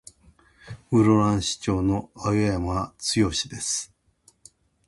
室蘭市長の青山剛です。